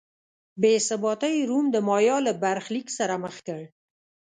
بې ثباتۍ روم د مایا له برخلیک سره مخ کړ.